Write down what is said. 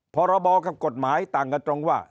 พรบกับกฎหมายต่างกันตรงว่า